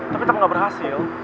tapi tapi gak berhasil